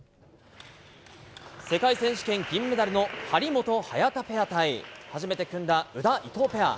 世界選手権銀メダルの張本・早田ペア対、初めて組んだ宇田・伊藤ペア。